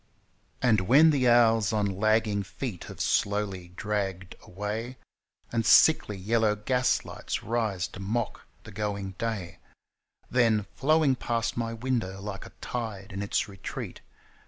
And when the hours on lagging feet have slowly dragged away, And sickly yellow gaslights rise to mock the going day, Then, flowing past my window, like a tide in its retreat.